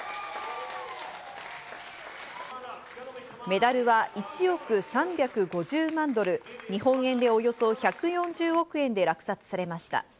メダルは１億３５０万ドル、日本円でおよそ１４０億円で落札されました。